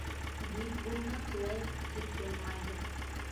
Бик булдыҡлы, — тип йылмайҙы.